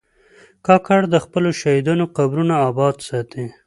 کاکړ د خپلو شهیدانو قبرونه آباد ساتي.